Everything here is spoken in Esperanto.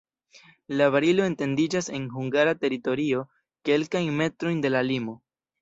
La barilo etendiĝas en hungara teritorio kelkajn metrojn de la limo.